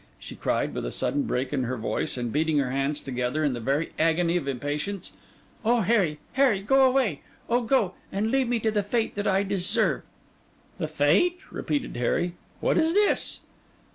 she cried, with a sudden break in her voice and beating her hands together in the very agony of impatience. 'O Harry, Harry, go away! Oh, go, and leave me to the fate that I deserve!' 'The fate?' repeated Harry. 'What is this?